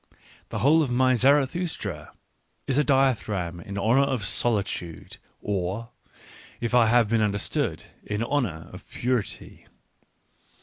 ... The whole of my Zarathustra is a dithyramb in honour of solitude, or, if I have been understood, in honour of purity.